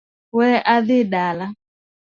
We adhi ala